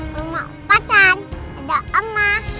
ke rumah opacan